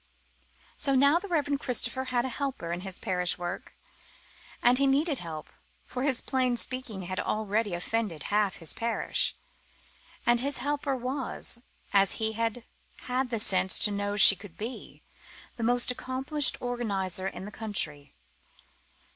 So now the Reverend Christopher had a helper in his parish work; and he needed help, for his plain speaking had already offended half his parish. And his helper was, as he had had the sense to know she could be, the most accomplished organiser in the country.